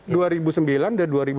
dua ribu sembilan dan dua ribu lima belas